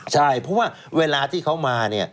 ใช่เพราะว่าเวลาที่เขามา